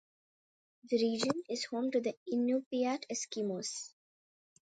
The region is home to the Inupiat Eskimos.